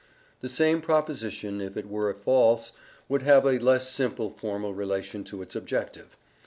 The same proposition, if it were false, would have a less simple formal relation to its objective.